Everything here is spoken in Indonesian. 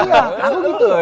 iya aku gitu